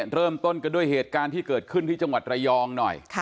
เริ่มต้นกันด้วยเหตุการณ์ที่เกิดขึ้นที่จังหวัดระยองหน่อย